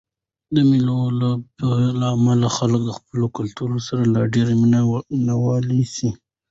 د مېلو له امله خلک د خپل کلتور سره لا ډېر مینه وال سي.